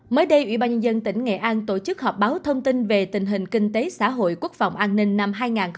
mới đây ubnd tỉnh nghệ an tổ chức họp báo thông tin về tình hình kinh tế xã hội quốc phòng an ninh năm hai nghìn hai mươi một